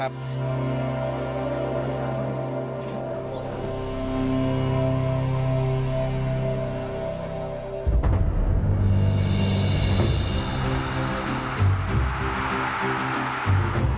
แล้วก็กำหนดทิศทางของวงการฟุตบอลในอนาคต